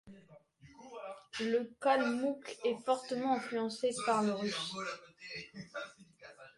Le kalmouk est fortement influencé par le russe.